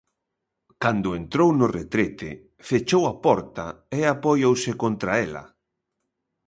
Cando entrou no retrete fechou a porta, e apoiouse contra ela.